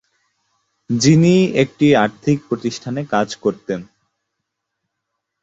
যিনি একটি আর্থিক প্রতিষ্ঠানে কাজ করতেন।